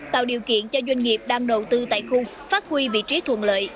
tạo điều kiện cho doanh nghiệp đang đầu tư tại khu phát huy vị trí thuận lợi